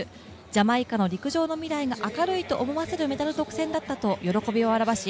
ジャマイカの陸上の未来が明るいと思わせるメダル独占だったと喜びを表し